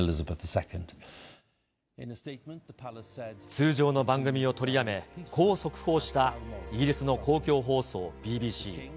通常の番組を取りやめ、こう速報したイギリスの公共放送ＢＢＣ。